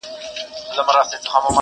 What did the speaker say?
یوه ماشوم ویل بابا خان څه ګناه کړې وه؟؛